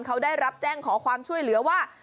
เขาได้รับแจ้งขอความช่วยเหลือว่า